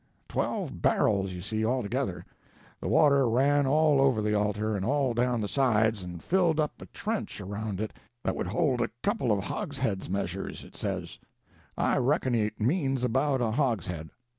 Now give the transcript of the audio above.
Twelve barrels, you see, altogether. The water ran all over the altar, and all down the sides, and filled up a trench around it that would hold a couple of hogsheads 'measures,' it says; I reckon it means about a hogshead.